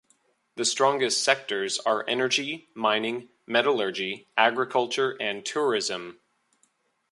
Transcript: The strongest sectors are energy, mining, metallurgy, agriculture and tourism.